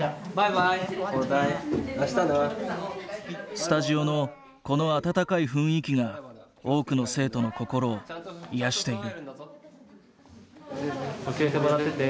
スタジオのこの温かい雰囲気が多くの生徒の心を癒やしている。